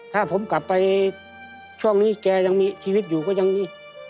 ถ้าผมกลับไปช่วงนี้แกยังมีชีวิตอยู่ก็ยังมี